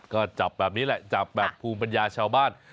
ก็จับแบบนี้แหละจับแบบภูมิปัญญาชาวบ้าน